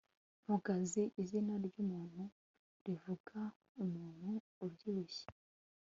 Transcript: mpogazi izina ry'umuntu rivuga umuntu ubyibushye